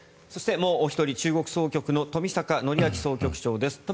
もうお一人中国総局の冨坂範明総局長です。